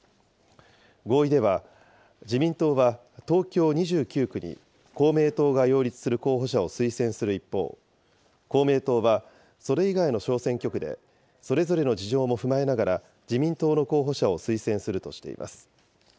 合意では、自民党は東京２９区に公明党が擁立する候補者を推薦する一方、公明党は、それ以外の小選挙区で、それぞれの事情も踏まえながら、自民党の候補者を推薦するとしています。